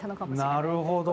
なるほど！